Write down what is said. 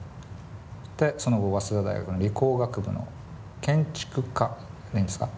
でその後早稲田大学の理工学部の建築科でいいんですか？